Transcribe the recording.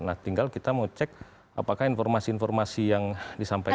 nah tinggal kita mau cek apakah informasi informasi yang disampaikan